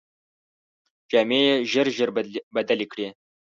جامې یې ژر ژر بدلې کړې.